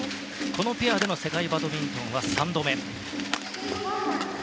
このペアでの世界バドミントンは３度目。